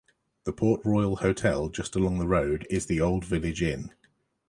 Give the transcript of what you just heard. The Port Royal Hotel, just along the road is the old village inn.